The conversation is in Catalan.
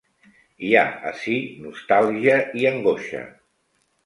Hi ha ací nostàlgia i angoixa.